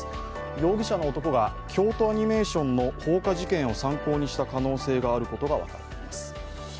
容疑者の男が京都アニメーションの放火事件を参考にした可能性があることが分かっています。